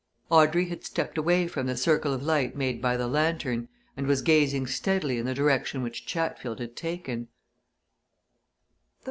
Audrey had stepped away from the circle of light made by the lanthorn and was gazing steadily in the direction which Chatfield had taken.